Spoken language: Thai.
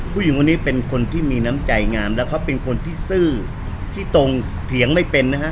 ผู้หญิงคนนี้เป็นคนที่มีน้ำใจงามแล้วเขาเป็นคนที่ซื่อที่ตรงเถียงไม่เป็นนะฮะ